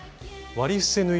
割り伏せ縫い。